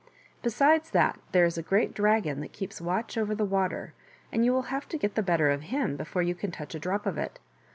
Besides that there is a great dragon that keeps watch over the water, and you will have to get the better of him before you can touch a drop of it.